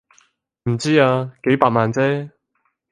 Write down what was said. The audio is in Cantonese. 唔知啊，幾百萬啫